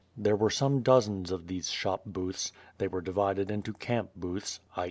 There were some dozens of these shop booths; they were divided into camp booths i.